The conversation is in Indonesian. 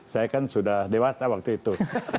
saya kan sudah dewasa waktu itu